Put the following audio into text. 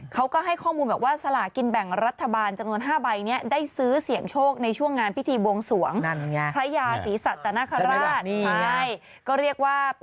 เขาก็ให้ข้อมูลแบบว่าสลากินแบ่งรัฐบาลจำนวน๕ใบเนี่ย